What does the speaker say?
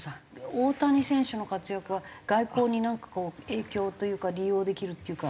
大谷選手の活躍は外交になんかこう影響というか利用できるっていうか。